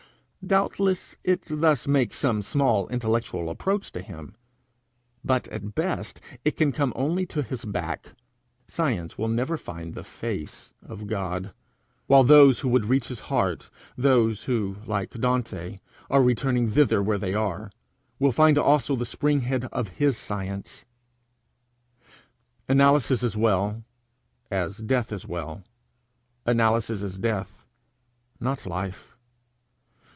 Doubtless it thus makes some small intellectual approach to him, but at best it can come only to his back; science will never find the face of God; while those who would reach his heart, those who, like Dante, are returning thither where they are, will find also the spring head of his science. Analysis is well, as death is well; analysis is death, not life.